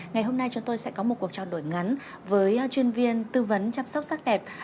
ngày hôm nay chúng tôi sẽ có một cuộc trao đổi ngắn với chuyên viên tư vấn chăm sóc sắc đẹp